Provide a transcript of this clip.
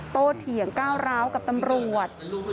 เถียงก้าวร้าวกับตำรวจ